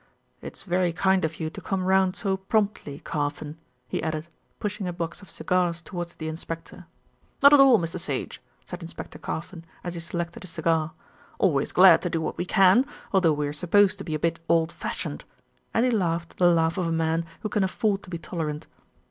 "It's very kind of you to come round so promptly, Carfon," he added, pushing a box of cigars towards the inspector. "Not at all, Mr. Sage," said Inspector Carfon as he selected a cigar. "Always glad to do what we can, although we are supposed to be a bit old fashioned," and he laughed the laugh of a man who can afford to be tolerant.